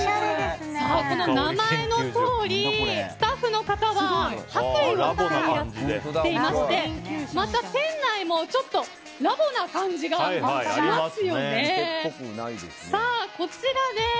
この名前のとおりスタッフの方は白衣を着ていましてまた、店内もちょっとラボな感じがしますよね。